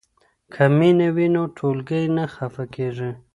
که مینه وي نو ټولګی نه خفه کیږي.